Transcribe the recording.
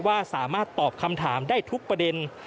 ว่าสามารถตอบคำถามได้ทุกประเด็น